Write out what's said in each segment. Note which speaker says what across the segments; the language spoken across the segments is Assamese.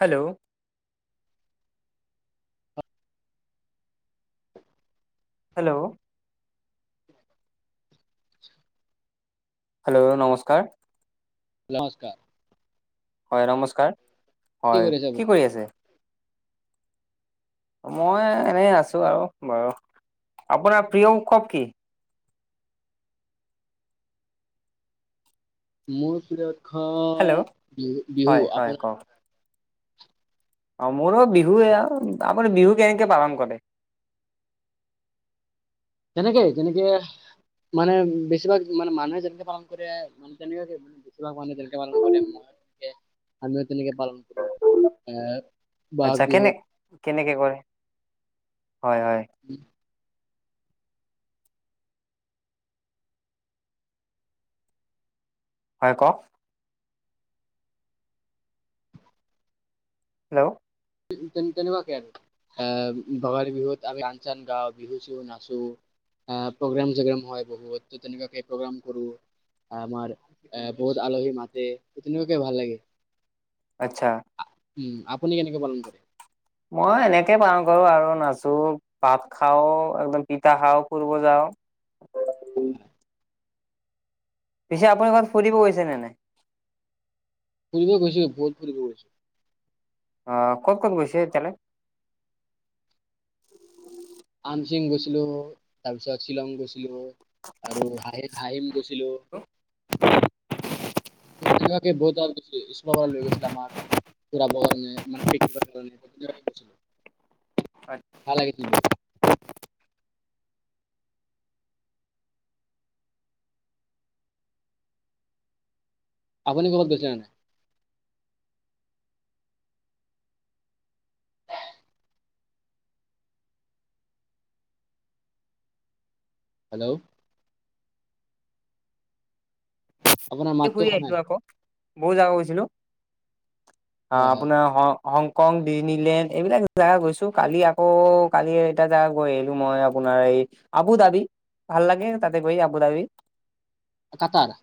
Speaker 1: হেল্ল', হেল্ল',
Speaker 2: [inaudible]
Speaker 1: হেল্ল', নমস্কাৰ।
Speaker 2: নমস্কাৰ।
Speaker 1: হয় নমস্কাৰ হয়
Speaker 2: কৰিছে
Speaker 1: কি
Speaker 2: আপুনি?
Speaker 1: কৰি আছে। মই এনে আছো আৰু বাৰু আপোনাৰ প্ৰিয় উৎসৱ কি।
Speaker 2: মোৰ প্ৰিয়
Speaker 1: হেল্ল'
Speaker 2: উৎসৱ বিহু
Speaker 1: হয়
Speaker 2: বিহু
Speaker 1: হয়
Speaker 2: আপোনাৰ।
Speaker 1: কওক অ মোৰো বিহুৱে আপুনি বিহু কেনেকে পালন কৰে।
Speaker 2: তেনেকে যেনেকে মানে বেছিভাগ মানে মানুহে যেনেকে পালন কৰে মানে তেনেকুৱাকে। বেছিভাগ মানুহ তেনেকে পালন কৰে মই তেক আমিও তেনেকে পালন কৰো এ, বহাগ
Speaker 1: আচ্ছা কেনে
Speaker 2: বিহুত
Speaker 1: কেনেকে কৰে হয় হয়।
Speaker 2: [unintelligible]
Speaker 1: হয় কওক। হেল্ল',
Speaker 2: তে তেনেকুৱাকে আৰু এ ভোগালী বিহুত আমি গান চান গাও বিহু চিহু নাচো। প্ৰগ্ৰাম চগ্ৰাম হয় বহুত ত তেনেকুৱাকে প্ৰগ্ৰাম কৰো। আমাৰ বহুত আলহী মাতে তেনেকুৱাকে ভাল লাগে।
Speaker 1: আচ্ছা।
Speaker 2: আ উম আপুনি কেনেকে পালন কৰে।
Speaker 1: মই এনেকে পালন কৰোঁ আৰু নাচো ভাত খাওঁ একদম পিঠা খাওঁ ফুৰিব যাওঁ।
Speaker 2: [unintelligible]
Speaker 1: পিছে আপুনি ক'ৰবাত ফুৰিব গৈছে নে নাই?
Speaker 2: ফুৰিব গৈছোঁ, বহুত ফুৰিব গৈছোঁ।
Speaker 1: অ'! ক'ত ক'ত গৈছে এতিয়ালে?
Speaker 2: আমচিং গৈছিলোঁ। তাৰপিছত, শ্বিলং গৈছিলোঁ, আৰু [unintelligible] গৈছিলোঁ। ত' তেনেকুৱাকে, [unintelligible] লৈ গৈছিলে আমাক। ফুৰাবৰ কাৰণে মানে পিকনিকৰ কাৰণে [unintelligible] গৈছিলো।
Speaker 1: [unintelligible]
Speaker 2: [unintelligible] আপুনি কৰবাত গৈছে নে নাই। [unintelligible] হেল্ল'? আপোনাৰ মাতটো
Speaker 1: ফুৰি
Speaker 2: অহা
Speaker 1: আহিছোঁ
Speaker 2: নাই
Speaker 1: আকৌ। বহুত জাগা গৈছিলোঁ।
Speaker 2: হয়
Speaker 1: অ'!
Speaker 2: হয়
Speaker 1: আপোনাৰ হংকং, ডিনীলেণ্ড, এইবিলাক জেগা গৈছোঁ। কালি আকৌ, কালি এটা জেগা গৈ আহিলোঁ মই। আপোনাৰ এই, আবু ধাবি, ভাল লাগে! তাতে গৈ আবু ধাবি।
Speaker 2: কাতাৰ?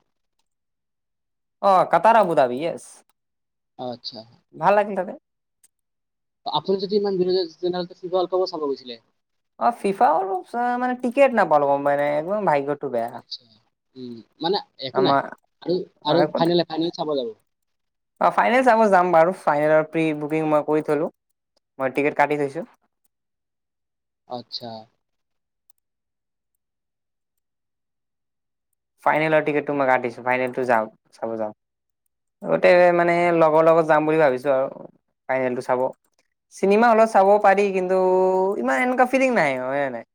Speaker 1: অ'! কাতাৰা আবুধাবি। য়েছ!
Speaker 2: আচ্ছা!
Speaker 1: ভাল লাগিল তাতে।
Speaker 2: আপুনি যদি ইমান [unintelligible] চাব গৈছিলে?
Speaker 1: অ'! ফিফাও অলপ চাওঁ মানে, টিকেট নাপালোঁ, গম পাইনে? একদম ভাগ্যটো বেয়া!
Speaker 2: আচ্ছা উম! মানে, একো নাই।
Speaker 1: আমাৰ
Speaker 2: আৰু,
Speaker 1: অ একো নাই
Speaker 2: আৰু--ফাইনেল, ফাইনেল চাব যাব।
Speaker 1: অ'! ফাইনেল চাব যাম বাৰু। ফাইনেলৰ প্ৰি বুকিং মই কৰি থ'লো। মই টিকেট কাটি থৈছোঁ।
Speaker 2: আচ্ছা!
Speaker 1: ফাইনেলৰ টিকেটটো মই কাটিছো। ফাইনেলটো যাম, চাব যাম। আগতে মানে, লগৰ লগত যাম বুলি ভাবিছোঁ আৰু! ফাইনেলটো চাব। চিনেমা হলত চাব পাৰি! কিন্তু, ইমান এনেকুৱা ফিলিং নাই, হয়নে নাই?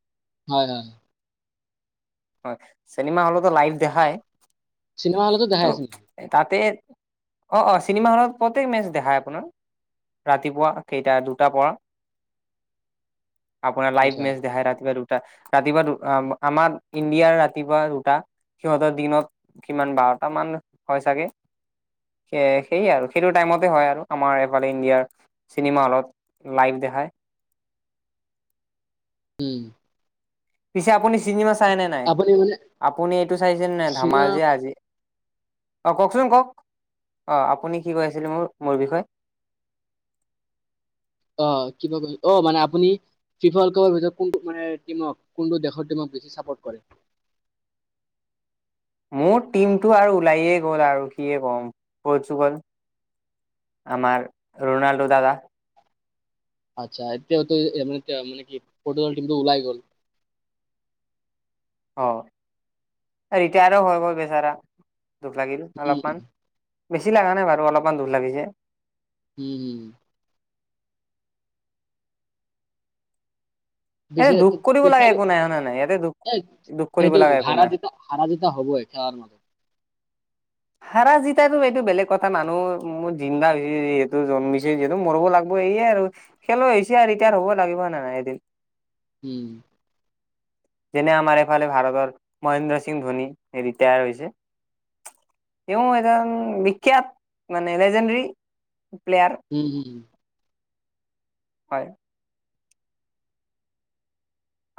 Speaker 2: হয়, হয়!
Speaker 1: হয়! চিনেমা হলতো লাইভ দেখাই।
Speaker 2: চিনেমা হলতো দেখাই
Speaker 1: কিন্তু
Speaker 2: আছে নেকি?
Speaker 1: তাতে, অ' অ'! চিনেমা হলত প্ৰত্যেক, মেটচ দেখাই আপোনাৰ। ৰাতিপুৱা কেইটা? দুটাৰ পৰা। আপোনাৰ লাইভ
Speaker 2: আচ্ছা
Speaker 1: মেটচ দেখাই ৰাতিপুৱা দুটা। ৰাতিপুৱা দু, আ, আমাৰ ইণ্ডিয়াৰ ৰাতিপুৱা দুটা। সিহঁতৰ, দিনত কিমান বাৰটা মান হয় চাগে। এ, সেই আৰু! সেইটো টাইমতে হয় আৰু আমাৰ, এইফালে ইণ্ডিয়াৰ। চিনেমা হলত লাইভ দেখাই।
Speaker 2: [unintelligible]
Speaker 1: পিছে, আপুনি চিনেমা চাইনে নাই?
Speaker 2: আপুনি মানে
Speaker 1: আপুনি এইটো চাইছেনে নাই?
Speaker 2: চিনেমা
Speaker 1: ধামাল যে আজি। অ'! কওঁকচোন, কওঁক? অ'! আপুনি কি কৈ আছিলে, মোৰ, মোৰ বিষয়ে?
Speaker 2: অ'! কিবা ক'লি? অ'! মানে, আপুনি ফিফা ৱৰ্ল্ড কাপৰ ভিতৰত, কোনটো মানে, টিমক কোনটো দেশৰ টিমক, বেছি চাপৰ্ট কৰে?
Speaker 1: মোৰ টিমটো আৰু ওলাইয়ে গ'ল আৰু। কিয়ে ক'ম, পৰ্তুগাল! আমাৰ, ৰোনাল্ডো দাদা।
Speaker 2: আচ্ছা! এতিয়াটো। এ, মানে এতিয়া মানে কি? পৰ্টুগাল টিমটো ওলাই গ'ল।
Speaker 1: অ'! এ, ৰিটায়াৰো হৈ গ'ল বেচাৰা! দুখ লাগিল
Speaker 2: উম
Speaker 1: অলপমান। বেছি লগা নাই বাৰু, অলপমান দুখ লাগিছে।
Speaker 2: উম, উম! পিছে,
Speaker 1: দুখ
Speaker 2: এইটো,
Speaker 1: কৰিব লাগে
Speaker 2: দুয়োটাৰো?
Speaker 1: একো নাই হয়নে নাই ইয়াতে দুখ
Speaker 2: এ,
Speaker 1: দুখ কৰিব
Speaker 2: সেইটো
Speaker 1: লগা
Speaker 2: [unintelligible]
Speaker 1: একো নাই
Speaker 2: হাৰা- জিকা হ'বই, খেলৰ মতে।
Speaker 1: হাৰা- জিতাতো এইটো বেলেগ কথা, [unintelligible] জিন্দা [unintelligible] যিহেতু, জন্মিছে যিহেতু, মৰিব লাগিবই এয়ে আৰু। খেলুৱৈ হৈছে আৰু, ৰিটায়াৰ হ'ব লাগিব নাই এদিন।
Speaker 2: উম!
Speaker 1: যেনে, আমাৰ এইফালে, ভাৰতৰ মহেন্দ্ৰ সিং ধোনী। এই, ৰিটায়াৰ হৈছে। তেওঁ এজন বিখ্যাত মানে লেজেণ্ডৰী প্লেয়াৰ৷
Speaker 2: হুম- হুম হু
Speaker 1: হয়!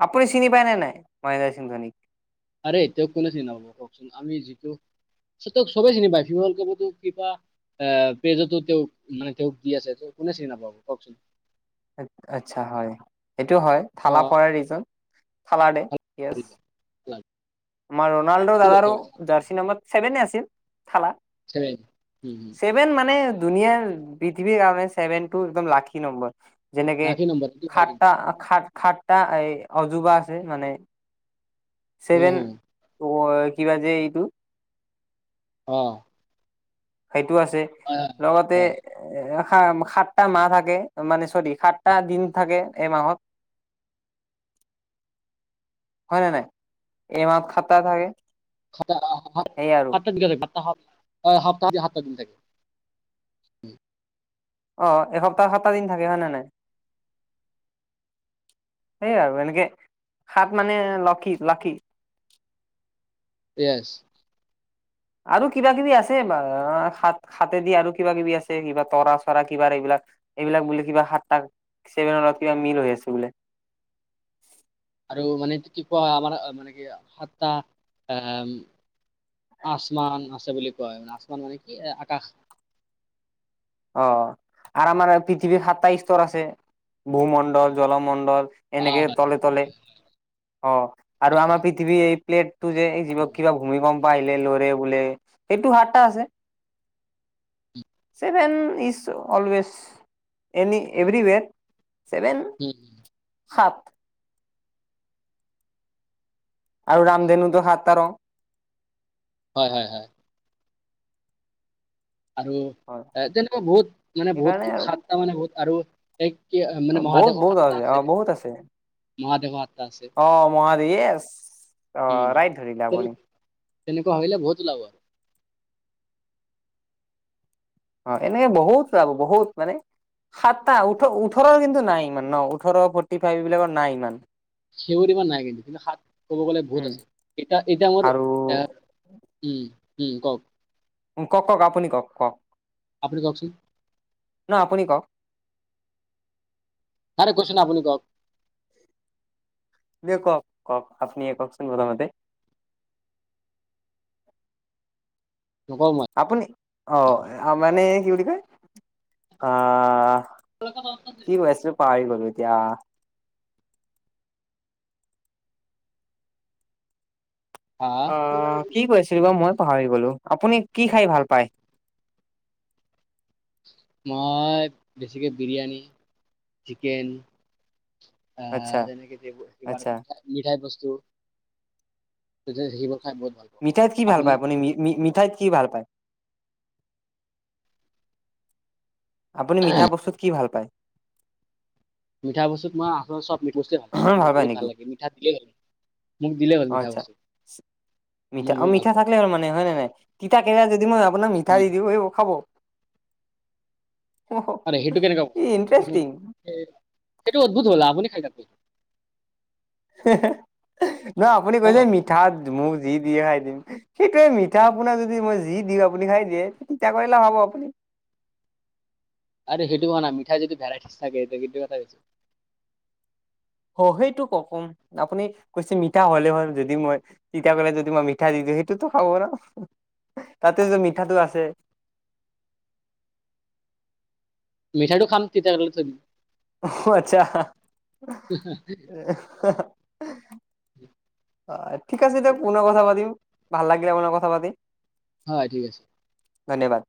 Speaker 1: আপুনি চিনি পায়নে নাই? মহেন্দ্ৰ সিং ধোনীক?
Speaker 2: আৰে তেওঁক কোনে চিন নাপাব কওকচোন আমি যিটো ঠিকেই চবেই চিনি পায় ফিফা [unintelligible] ৱৰ্ল্ড কাপটো ফিফা আহ পেজটো তেওঁক মানে তেওঁক দি আছে টো, কোনে চিনি নাপাব কৱকচোন?
Speaker 1: আচ্ছা হয়। সেইটো হয়
Speaker 2: অ
Speaker 1: থালা ফৰ এ ৰিজন, থালা দে ইয়েছ। আমাৰ ৰনাল্ডো
Speaker 2: গ'ল
Speaker 1: দাদাৰো
Speaker 2: চাগে।
Speaker 1: জাৰ্চি নাম্বৰ ছেভেনে আছিল থালা৷
Speaker 2: ছেভেন উম-উম।
Speaker 1: ছেভেন মানে দুুনীয়াৰ পৃথিৱীৰ কাৰণে ছেভেন টো একদম লাকি নম্বৰ। যেনেকে
Speaker 2: ৰাখি নম্বৰ এইটো হয় কিন্তু
Speaker 1: সাতটা সা খাতটা এই অজোবা আছে মানে
Speaker 2: হম
Speaker 1: ছেভেন
Speaker 2: হম
Speaker 1: ৱৰ কিবা যে এইটো৷
Speaker 2: অ
Speaker 1: সেইটো আছে
Speaker 2: হয় হয়
Speaker 1: লগতে
Speaker 2: হয়
Speaker 1: এ এ সাতটা মাহ থাকে মানে চৰি সাতটা দিন থাকে এমাহত৷ হয় নে নাই এই মাহত খাতটা থাকে৷
Speaker 2: সাতটা
Speaker 1: সেইয় আৰু
Speaker 2: থাকাতাহ সাতটা দিন থাকে [unintelligible]
Speaker 1: অ এসপ্তাহ সাতটা দিন থাকে হয় নে নাই? সেইয়া আৰু এনেকে সাত মানে লকী লাকী৷
Speaker 2: ইয়েছ৷
Speaker 1: আৰু কিবা কিবি আছে বা সাত সাতেদি আৰু কিবা কিবি আছে কিবা তৰা চৰা কিবা এইবিলাক এইবিলাক বুলিলে কিবা সাতাৰ [unintelligible] কিবা মিল হৈ আছে বোলে৷
Speaker 2: আৰু মানে কি কোৱা মানে মানে কি সাতটা এ আচমান আছে বুলি কোৱা আচমান মানে কি আকাশ৷
Speaker 1: অ আৰু আমাৰ পৃথিৱীৰ সাতটা স্তৰ আছে ভূমণ্ডল জলমণ্ডল৷
Speaker 2: আ,
Speaker 1: এনেকে
Speaker 2: হয়
Speaker 1: তলে তলে অ আৰু আমাৰ পৃথিৱী এই প্লেট টো যে জীৱক কিবা ভূমিকম্প আহিলে লৰে বোলে সেইটো হাতটা আছে৷ even is always any everywhere seven
Speaker 2: um
Speaker 1: সাত৷ আৰু ৰামধেনুটো সাত ৰং৷
Speaker 2: হয়-হয়-হয়৷ আৰু
Speaker 1: হয়
Speaker 2: এ তেনেকুৱা বহুত মানে
Speaker 1: সেইকাৰণে
Speaker 2: বহুত
Speaker 1: আৰু
Speaker 2: সাতটা মানে বহুত আৰু এক কি মানে
Speaker 1: বহুত
Speaker 2: মহাদেশো
Speaker 1: বহুত
Speaker 2: সাতটা
Speaker 1: অ
Speaker 2: আছে
Speaker 1: বহুত আছে
Speaker 2: মহদেশো
Speaker 1: অ মহাদেশ অ
Speaker 2: উম
Speaker 1: ইয়েছ ৰাইট ধৰিলে
Speaker 2: তেনে-
Speaker 1: আপুনি৷
Speaker 2: তেনেকুৱা ভাবিলে বহুত ওলাব৷
Speaker 1: অ এনে বহুত ওলাব বহুত মানে৷ সাতটা ওঠ ওঠৰ কিন্তু নাই ইমান নাই ওঠৰ ফৰটিফাইভ বিলাকৰ নাই ইমান
Speaker 2: সেউৰ ইমান নাই কিন্তু-কিন্তু হাত কব গ'লে বহুত
Speaker 1: উম
Speaker 2: আছে এতা-এতা মোৰ এ
Speaker 1: আৰু
Speaker 2: উম-উম কওক
Speaker 1: কওক-কওক আপুনি কওক-কওক৷
Speaker 2: আপুনি কওকচোন
Speaker 1: ন আপুনি কওক
Speaker 2: আৰে কৈছো ন আপুনিওক
Speaker 1: দে কওক-কওক আপুনি কওকচোন প্ৰথমতে৷
Speaker 2: নকও মই৷
Speaker 1: আপুনি অ মানে কি বুলি কয় আহ কি কৈ আছিলো পাহৰি গলো এতিয়া৷
Speaker 2: হা
Speaker 1: অ কি কৈছিলো বা মই পাহৰি গলো আপুনি কি খাই ভাল পায়?
Speaker 2: মই বেছিকে বিৰিয়ানী, চিকেন৷
Speaker 1: আচ্ছা
Speaker 2: অহ তেনেকে যে কিবা
Speaker 1: আচ্ছা
Speaker 2: নিচিনা মিঠাই বস্তু নিজে সিজিব খাই বহুত ভাল পাওঁ [unintelligible]
Speaker 1: মিঠাইত কি ভাল পায় আপুনি মি মি মিঠাইত কি ভাল পায় আপুনি মিঠা বস্তুত কি ভাল পায়
Speaker 2: মিঠা বস্তুত মই আচলতে চব মিঠা বস্তুৱে ভাল পাও মোৰ
Speaker 1: পায়
Speaker 2: বহুত ভাল
Speaker 1: নেকি
Speaker 2: লাগে মিঠা দিয়েই
Speaker 1: অ আচ্ছা
Speaker 2: মই
Speaker 1: অ
Speaker 2: বহুত ভাল
Speaker 1: মিঠা
Speaker 2: পাওঁ
Speaker 1: থাকিলে হল মানে হয় নে নাই তিতা কেৰেলা যদি মই আপোনাক মিঠা
Speaker 2: উম,
Speaker 1: দি দিও সেই খাব
Speaker 2: আৰে সেইটো কেনেকা
Speaker 1: ই
Speaker 2: উম হু
Speaker 1: ইণ্টাৰেষ্টিং
Speaker 2: সেইটো অদ্ভুত হল আপুনি খাই থাকক
Speaker 1: হে হে নহয় আপুনি
Speaker 2: অ
Speaker 1: কৈছে মিঠা যি দিয়ে খাই দিম সেইটোৱে মিঠা আপোনা যদি মই যি দিও আপুনি খাই দিয়ে তিতা কেৰেলাও খাব আপুনি
Speaker 2: আৰু সেইটো মানে আমি মিঠাই যদি ভেৰাইটিছ থাকে সেইটোও এটা
Speaker 1: অ সেইটো ক কম আপুনি কৈছে মিঠা হলে হ'ল যদি মই তিতাকলাত যদি মই মিঠা দি দিও সেইটোতো খাব ন তাতে যে মিঠাটো আছে
Speaker 2: মিঠাটো খাম তিতাটো থৈ দিম
Speaker 1: অ আচ্ছা অ হহ
Speaker 2: [inaudible]
Speaker 1: অ ঠিক আছে দিয়ক পুনৰ কথা পাতিম ভাল লাগিলে আপোনাৰ লগত কথা পাতি
Speaker 2: হয় ঠিক আছে
Speaker 1: ধন্যবাদ